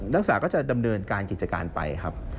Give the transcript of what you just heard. นักศึกษาก็จะดำเนินการกิจการไปครับ